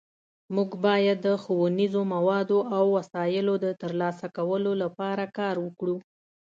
مونږ باید د ښوونیزو موادو او وسایلو د ترلاسه کولو لپاره کار وکړو